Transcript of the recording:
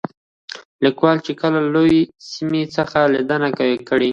ليکوال چې کله له يوې سيمې څخه ليدنه کړې